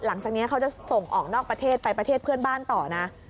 หลังจากนี้เขาจะส่งออกนอกประเทศไปประเทศเพื่อนบ้านต่อนะ